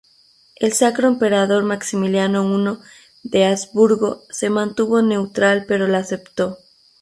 El sacro emperador Maximiliano I de Habsburgo se mantuvo neutral, pero la aceptó.